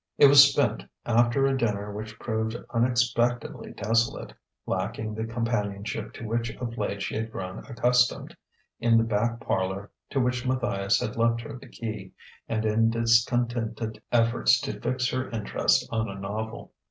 It was spent, after a dinner which proved unexpectedly desolate, lacking the companionship to which of late she had grown accustomed, in the back parlour (to which Matthias had left her the key) and in discontented efforts to fix her interest on a novel.